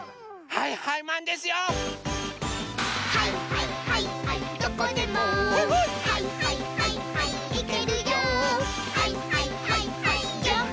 「はいはいはいはいマン」